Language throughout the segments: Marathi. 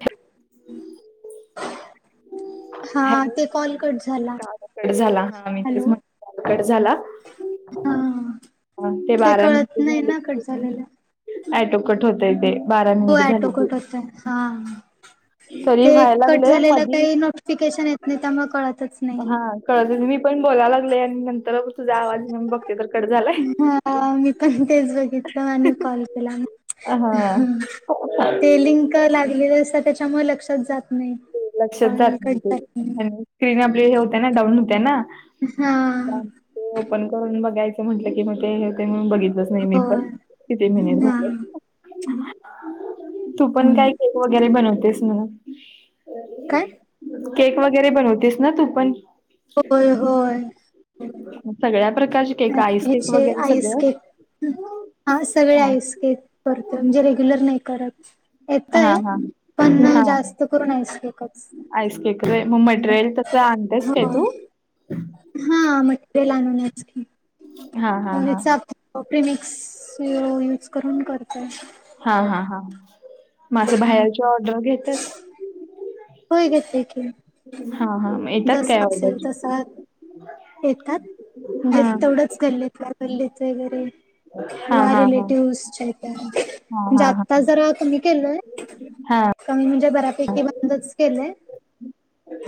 हम् [inaudible] ह [inaudible] हॅलो ते कॉल कट झाला कॉल कट झाला. हा मी तेच म्हणल कॉल कट झाला. ह ह ह. ते कळत नाही ना. कट झालेला. अटो कट होतय ते. बारा हो मिनिट झाले अटोकट ते हातय. हा. तरी ते व्हायला कट लागलंय झालेलं मधी काही नोटिफिकेशन येत नाही. त्यामुळे कळतच नाही. हा कळतच, मी पण बोला लागले. आणि नंतर तुझा आवाज येऊन बघते तर कट झालाय हा मी पण तेच बघितलं. आणि कॉल केला. हा ह ते लिंक लागलेले असते. त्याच्यामुळे लक्षच जात नाही हो लक्षच कॉल जात कट नाही ते. झाला म्हणून आणि स्क्रीन आपले हे होत ना. डाऊन होत ना. हा. ते ओपन करून बघायचं म्हटलं कि, म ते होते म्हणून बघित बघत नाही मी पण, होय किती मनिट हा झाले. हम्म तू पण काय, केक वगैरे बनवतेस म्हण. काय. केक वगैरे बनवतेस ना तू पण? होय, होय. सगळ्या प्रकारचे केक आईस केक हिचे वगैरे आईस सगळं केक हा सगळे आईस केक. म्हणजे रेग्युलर नाही करत. हा येतय हा. पण हा जास्त करूनच [unintelligible] एकच.. आईस केकरेर मग मट्रेल तसं आणतेस काय हो. तू? हा मटरेल आणण्यातच की. हा हा हा म्हिच आप पीमिक्स यूज करून करतोय. हा, हा, हा म बाहेरची ऑर्डर घेतस? होय घेेते की. हा, हा येतात काय जसं असेल ऑर्डर? तसा येतात हा बस तेवढंच गल्लीतल्या गल्लीत वगैरे. हा किंवा हा हा हा रिलेटिव्हसच्या हा हा आत्ता जरा तुम्ही केलय? हा कमी म्हणजे बऱ्यापैकी बंदच केलंय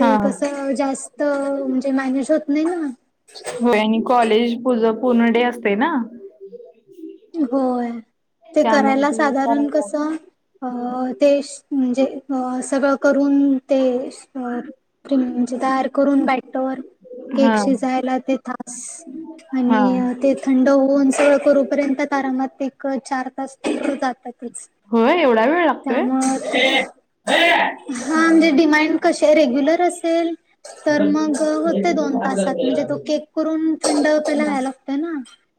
हा कस जास्त तर म्हणजे मॅनेज होत नाही ना. होय आणि कॉलेज पूज पूर्ण डे असतेना. होय ते त्यामुळे करायला ते साधारण करायला कस. अ ते म्हणजे सगळं करून ते त म्हणजे तयार करून बॅटर केक हा शिजयला ते तास आणि हा ते थंड होऊन सगळ करूपर्यंत ते आरामात एक, चार तास जातातच. होय एवढा वेळ लागतोय? त्यामुळ ते हा म्हणजे डिमांड कशे य रेग्युलर असेल. तर मग होते दोन तासात म्हणजे तो केक करून थंड त्याला वहयला लागतेना..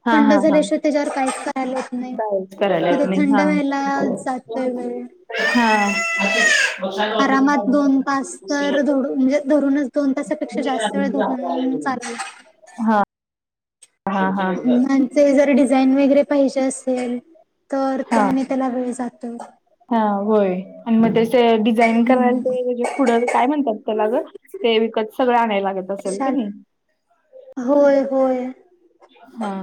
हा, हा, हा. त्याच्यावर काहीच करायला होत नाही कायच करायला मग येत ते नाही थंड हा हा. व्हायला जाते वेळ. हा.. आरामात दोन तास तर धरुन म्हणजे धरूनच दोन तासापेक्षा जास्त वेळ धरून चालेल. हा... हा मुलांचे जर डिझाईन वगैरे पाहिजे असेल. तर हा त्यानी त्याला वेळ जातोय. हा होय आणि मग तसे डिझाईन करायला ते पुढं काय म्हणतात त्याला ग ते विकत सगळं आणायला लागत असेल का कशाल नाही. होय, होय. हा..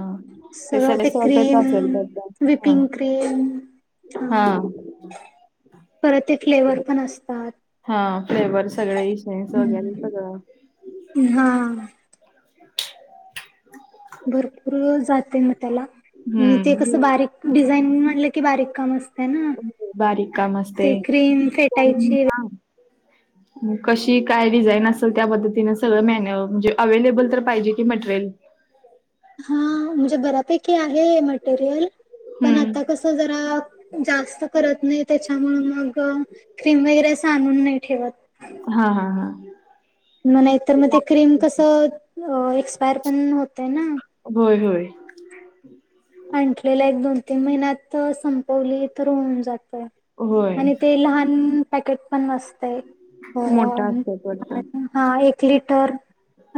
सगळं ते सॉर्टच क्रीम, असेल त्यात हा विपिंग क्रीम. हा... परत ते फ्लेवर पण असतात. हा फ्लेवर सगळे इसेन्स वगैरे सगळं हा... [unintelligible] भरपूर जाते मग त्याला आणि ते हम्म कसं बारीक डिझाईन म्हटलं की बारीक काम असत. ना बारीक काम असते ते क्रीम फेटायची हा. कशी काय डिझाईन असेल त्या पद्धतीने सगळं मॅन म्हणजे अवेलेबल तर पाहिजे की मटेरियल. हा म्हणजे बऱ्यापैकी आहे मटेरियल पण आता हम्म कस जरा जास्त करत नाही त्याच्यामुळे मग. क्रीम वगैरे असं आणून नाही ठेवत. हा, हा, हा. म नाहीतर मग ते क्रीम कसं एक्सपायर पण होतय ना होय होय आणलेला एक दोन तीन महिन्यात संपवली तर होऊन जातय होय आणि ते लहान पॅकेट पण वास्ते हो मोठा असतात वाटतं हा एक लिटर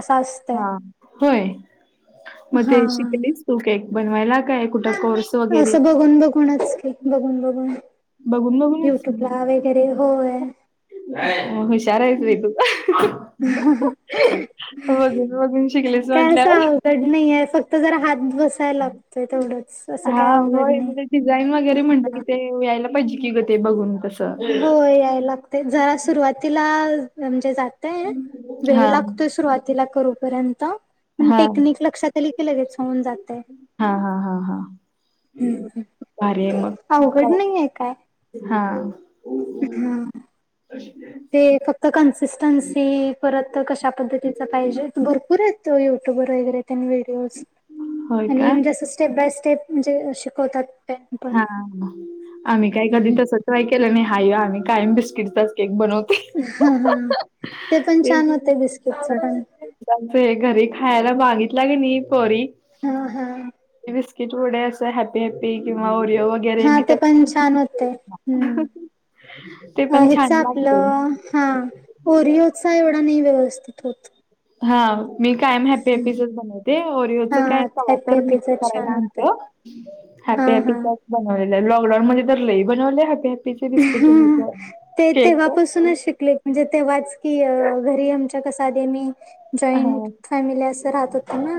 अस हा होय मग ते हा शिकलीस तू केक बनवायला काय कुठं कोर्स वगैरे असं बघून बघूनच की बघून बघून बघून बघूनस युट्यूबला वगैरे होय. हुशारयच तू का बघर बघून शिकलेस म्हटल्यावर क नाही आहे फक्त जर हात बस काय लागतय तेवढंच असं हा काय होय अवघडणे म्हणजे डिझाईन वगैरे म्हणतो की ते यायला पाहिज की ग ते बघून तस हो याय लागते जरा सुरुवातीला म्हणजे जात वेळ हा लागतोय सुरु आज हा टेिक लक्षात लेात हा हा हा हा अरे मग अवघड काय हा हम ते फक्त कन्सिस्टन्सी परत कशा पद्धतीच पाहिजे भरपूर आहेत त युट्यूब वर वगैरे व्हिडिओज होय आणि का म्हणजे असं स्टेप बाय स्टेप म्हणजे शिकवतात त्यांनी पण हा आम्ही काय कधी तस ट्राय केलं नाही हा आम्ही काय बिस्किटचा केक बनवत हा हा ते पण छान होते बिस्किटच पण त्यांचं हे घरी खायला मागितलं ग नाही परी हा हा बिस्किट पुढे अस हॅपी हॅपी किंवा ओिओ हा ते पण छान होते ते हम् पण हेच छान लागते. आपलं हा ओरिओचा एवढा नाही व्यवस्थित होत हा मी कायम हॅप ते पीसेस बनवते ओरिओच हा काय हवा हॅपी तर मिक्स हॅपीच करायला छान आणत होत हा हॅपी हॅपीच हा बनवले आहे लॉकडाऊन मध्ये तर लही बनवले हॅपी हॅपी ह ते ते वापासूनच शिकले म्हणजे तेव्हाच की घरी आमच्या कसा आध मी जॉईंट हां. फॅमिली असं राहत होत म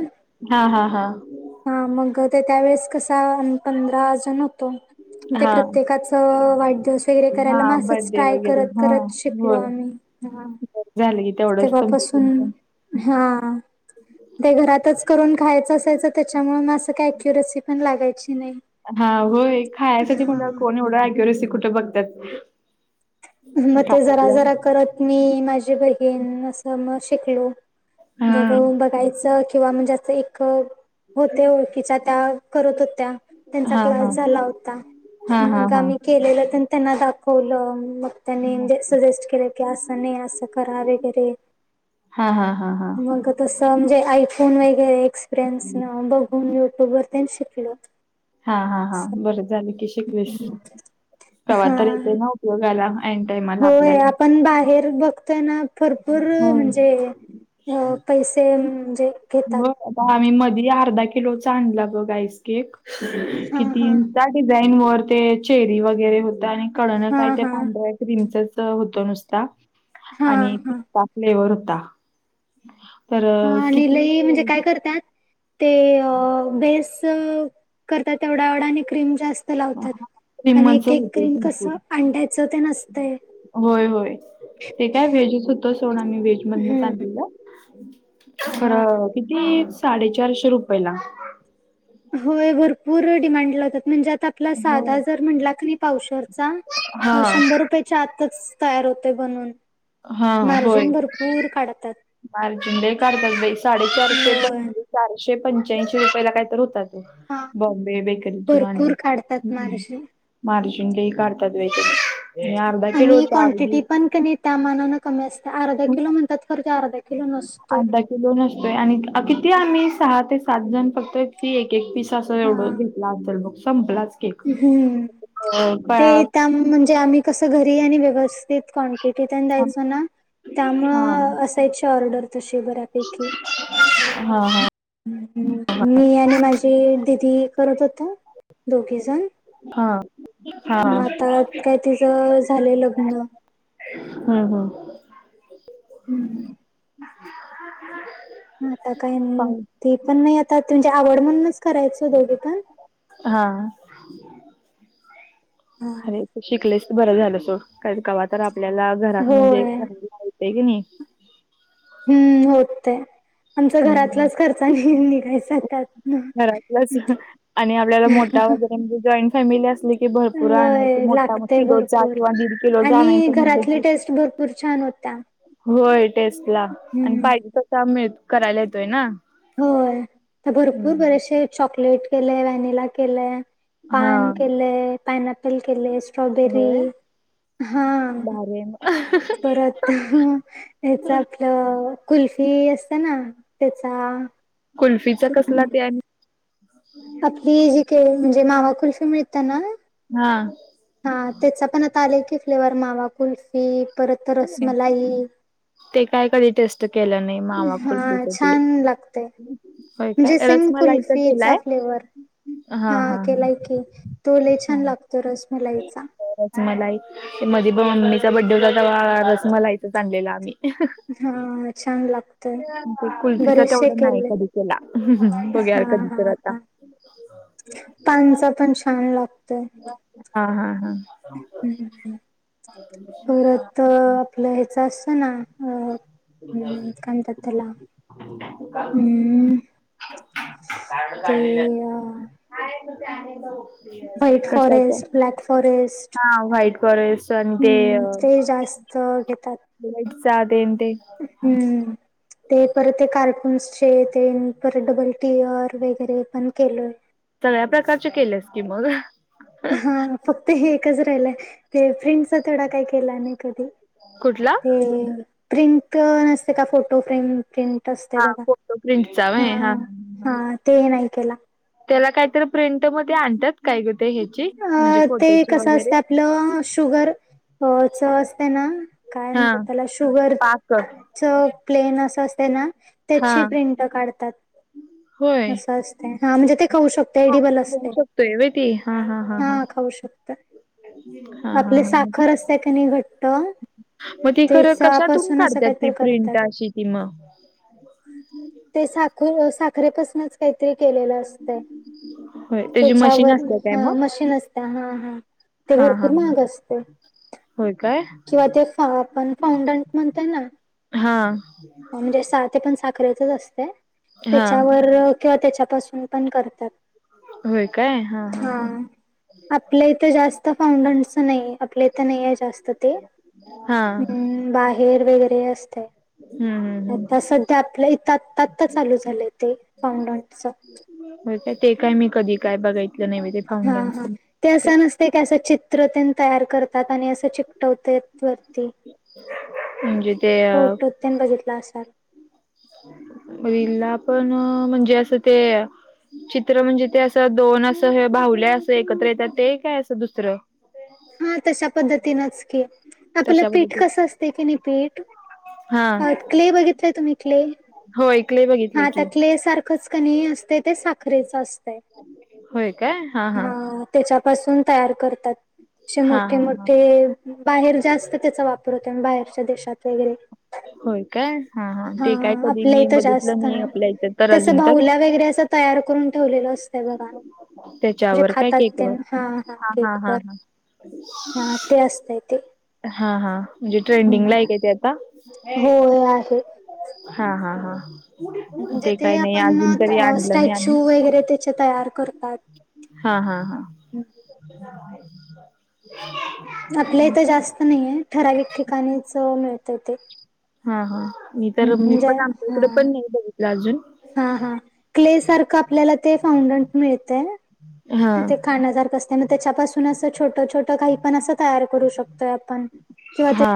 हां, हां, हां. हा मग ते त्या वेळेस कसा पंधरा जण होतो ते हां, प्रत्येकाच वाट स वगरे करायला हां. मंच बर्थडे ट्राय वगैरे करत हां, करत शिकलो होय. आम्ही ह बरं झालं क तेव्हापासून हा ते घरातच करून खायचं असायचं त्याच्यामुळे म असं काही अक्युरेसी पण लागायची नाही हा होय खायसाठी म्ह कोण एवढं ग्युरेसी कुठं बघतात मग ते जरा जरा करत मी माझी बहीण असं मग शिकलो बघ हां. बघायचं किंवा म्हणजेच एक होते ओळखीच्या त्या करत होत्या त्यांचा क्लास झाला होता हा हा मग हा आम्ही केलेलं त्यां त्यांना दाखवलं मग त्यांनी सजेस्ट केलं की असं नाही असं करा वगैरे हा हा हा हा मग तसं म्हणजे आयफोन वगैरे एक्सपिरियन्स बघून युट्यूब वर शिकल हा, हा, हा. बरंच झाल की शिकविश तवा हा तर येतयं ना उपयोगा. होय. आपण बाहेर - - तर बघतोय ना, भरपूर हो. म्हणजे पैसे म्हणजे हो. घेतात आता आम्ही मधी अर्धा किलोचा आणला बघ आईसकेक हा किती हा साठ - - डिझाईन वर ते चेरी वगैरे होत आणि कडण हा काय ते हा पांढराय क्रीमचच होत नुसता हा आणि हा पिस्ता फ्लेवर होता. [unintelligible] हा आणि किती लई म्हणजे काय करत्यात, ते बेस - - करत्यात एवढा एवढा आणि क्रीम जास्त लावत्यात. आणि क्रीमच एक एक होते क्रीम भरपूर कसं अंड्याचं तेन असतंय. होय, होय. ते काय व्हेजच होत सोडा मी व्हेजमधनच हम्म आणलेलं. हा हा. खरं किती साडेचारशे रुपयला. होय. भरपूर डिमांड लावतात म्हणजे आता- - आपला साधा जर म्हणला कनी हा पावशरचा शंभर रुपय - - आतच तयार होतयं बनून हा होय. मार्जिन भरपूर काढतात. मार्जिन लई काढतात बाई. साडेचारशे पण होय म्हणजे चारशे पंच्याऐंशी रुपयाला काय तर होता. हा बॉम्बे बेकरीतुन भरपूर आणलेला. काढतात हं. मार्जिन. मार्जिन लई काढतात बाई त्याच हे आर आणि कॉटिटी पण त्यामानान कमी असत्या. अर्धा किलो म्हणतात खर तो अर्धा किलो नसतोय. अर्धा किलो नसतोय आणि किती आम्ही सहा ते सात जण फक्त किती एक एक पीस असं हा एवढं घे तला तर बघ संपलाच. केक. हम्म. अ ते पळा त्या म्हणजे आम्ही कस घरी आणि व्यवस्थित कॉ टिटि तेन द्यायचो ना, हा त्यामुळं असायची ऑर्डर तशी बऱ्यापैकी. हा, हा. मी आणि माझी दिदी करत होतो. दोघ घीजण हा हा हा मग आता काय तिच झालंय लग्न. हंम, हंम. हम्म. [inaudible] आता काय मग हम्म ती पण नाही आता म्हणजे आवड म्हणूनच करायचं दोघी पण. हा. अरे तु शिकलेस बरं झालं सोड कवातर आपल्याला घरात म्हणजे होय करायला ये - - तय कनी. हम्म. होतयं. आमच हम्म. घरातलाच खर्चा निघायचा त्यातन. घरातलंच आणि आपल्याला मोठा वगैरे म्हणजे जॉईंट फॅमिली असली - - की भरपूर आणायचा होय मोठा लागतय किलोचा भरपूर किंवा दीड किलो आणायच आणि म्हटलं घरातली की टेस्ट भरपूर - - छान होता. होय टेस्टला आणि पाहिजे तसा मिळ करायला येतोय ना. होय. तर भरपूर हम्म. बरेचसे चॉकलेट केले, व्हॅनिला केलंय. हा पान केलयं, पायनॅपल केलयं, स्ट्रॉबेरी होय हा. [unintelligible] परत याच आपलं कुल्फी असत्याना त्याचा. कुल्फीचा कसला? ते आणि आपली जी [unintelligible] म्हणजे मावा कुल्फी मिळत्याना हा. हा. त्याचा पण आता आले की फ्लेवर मावा कुल्फी, परत होय रसमलाई. ते काय कधी टेस्ट केलं नाही. मावा हा कुलतीच ते. छान लागतय व्हय काय? म्हणजे सेम रसमलाईच कुल्फीचा केलाय? फ्लेवर हा केलाय की? तो लई छान हा लागतो रसमलाईचा रसमलाई ते मधी मम्मीचा बड्डे होता, तवा रसमलाईचाच आणलेला आम्ही हा छान लागतो. कुल्फीचा तेवढा नाही कधी केला? बघु या कधी तर आता पाणचा पण छान लागतोय. हा हा हा. हम्म परत आपलं ह्याचं असतं ना, अ हम् काय म्हणतात त्याला [unintelligible] हम्म ते अ हाय ते तर आहे करू. व्हाईट फॉरेस्ट, ब्लॅक फॉरेस्ट हा व्हाईट फॉरेस्ट आणि हूम् ते जास्त च घेतात. ब्राइड चा तेन ते हम्म ते परत ते कार टूनस चे ते न, परत डबल टी अर वगैरे पण केलय? सगळ्या प्रकारचे केल्यास की, मग हा फक्त हे एकच राहिलाय ते, प्रिंटचा तेवढा काय केला नाही कधी? कुठला? ते प्रिंट नसतय का? फोटो फ्रेम प्रिंट तसतय हा बघा फोटो प्रिंटचा हा व्हय हा ते नाही केला. त्याला काहीतरी प्रिंट मध्ये आणतात. काय गते ह्याची म्हणजे अ ते फोटोची वगैरे हो चव असते ना, काय हा म्हणत्यात त्याला शुगर पाक जो प्लेन अस असतय ना, हा त्याची प्रिंट काढतात. होय असं असतय, हा म्हणजे ते खाऊ शकताय, एडिबल असतय. [unintelligible] व्हय ते हा खाऊ शकताय, हा हा आपले हा साखर असत्या काय नाही घट्ट मग ती खरं कशातून तेचापासून असं काढतात ती काहीतरी करतात. प्रिंट अशी ती मग ते साखू साखरेपासूनच काहीतरी केलेलं असतय. होय त्याची मशीन तेच्यावर असते काय हा मग मशीन असत्या हा हा. ते हा हा भरपूर महाग असतय. होय काय? हा आपण फाऊडंट म्हणतय ना, हा म्हणजे स ते पण साखरेचच असतय. हा त्याच्यावर किंवा त्याच्यापासून पण करतात. होय काय हा हा हा. आपल्या इथे जास्त फाउंडटच नाही ए, आपल्या इथं नाही आहे जास्त ते हा हम्म बाहेर वगैरे असतय. हम्म हम्म आता हम्म सध्या आपल्या इथं, आता आता चालू झालंय ते, फाउंडट च होय काय? ते काय मी कधी काय बघाय हा हा. ते असं नसतय काय? असं चित्र तेन तयार करतात आणि असं चिकटवतेत वरती म्हणजे ते अ. फोटोत तेन बघितलं असाल. पहिला पण म्हणजे असं ते. चित्र म्हणजे ते असं, दोन असं हे बाहुल्या असं एकत्र येतात, ते काय अस दुसरं? हा तशा पद्धतीनच की, आपलं तशा पीठ पद्धती कसं असतय कनी, पीठ हा क्ले बघितलाय तुम्ही क्ले. नाही क्ले बघितलाय की खचकनी असतय, ते साखरेच असतय हा. त्याच्यापासून तयार करतात. असे हा मोठे हा हा मोठे बाहेर जास्त त्याचा वापर होतो बाहेरच्या देशात वगैरे होय काय हा ते काय कधी आपल्या मी इथ बघितलं जास्त नाही आहे आपल्या इथं तर ते अजून तर भावला वगैरे असं तयार करून ठेवलेलं अस जे त्याच्यावर काय खातात ते केकवर हा हा केक वर हा ते असतय ते हा हा म्हणजे ट्रेंडिंग ला आहे काय ते आता होय आहे हा हा हा म्हणजे ते काही नाही आपण अजून तरी आणलं नाही आम्ही स्टॅच्यू वगैरे त्याचे तयार करतात हा हा हा ह [inaudible] आपल्या इथ जास्त नाहीये ठराविक ठिकाणीच मिळतय ते हा हा मी तर मी म्हणजे पण हा आमच्याइकड पण नाही बघितलं अजून हा हा क्ले सारखं आपल्याला ते फाउंडेंट मिळतय हा ते खाण्यासारख असंतय मग त्याच्यापासून असं छोट छोट काही पण असं तयार करू शकतोय आपण किंवा हा